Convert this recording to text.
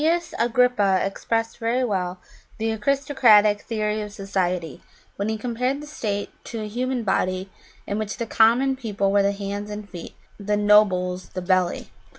] Menenius Agrippa expressed very well the aristocratic theory of society when he compared the state to a human body in which the common people were the hands and feet, and the nobles the belly.